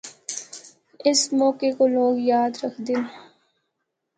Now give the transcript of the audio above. اس موقعہ کو لوگ یاد رکھدے ہن۔